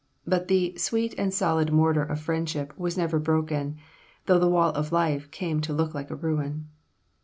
But the "sweet and solid mortar of friendship" was never broken, though the wall of life came to look like a ruin.